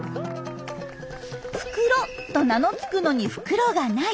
「フクロ」と名の付くのに袋が無い。